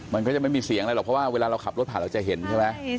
มันก็จะไม่มีเสียงอะไรหรอกเพราะว่าเวลาเราขับรถผ่านเราจะเห็นใช่ไหม